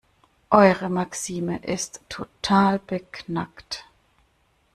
Eure Maxime ist total beknackt.